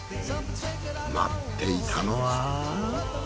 待っていたのは。